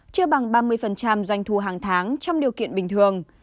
chưa bằng ba mươi doanh thu hàng tháng trong điều kiện bình thường